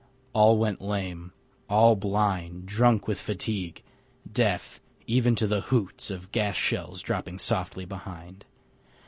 All went lame, all blind; Drunk with fatigue; deaf even to the hoots Of gas shells dropping softly behind.